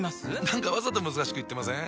何かわざと難しく言ってません？